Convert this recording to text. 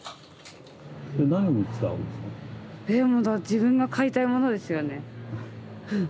自分が買いたいものですよね。